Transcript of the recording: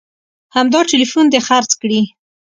همدا ټلیفون دې خرڅ کړي